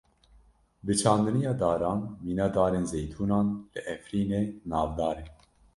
Bi çandiniya daran, mîna darên zeytûnan li Efrînê, navdar e.